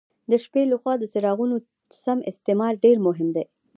د شپې له خوا د څراغونو سم استعمال ډېر مهم دی.